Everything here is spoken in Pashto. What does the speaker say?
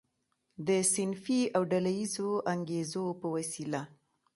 د صنفي او ډله ییزو انګیزو په وسیله.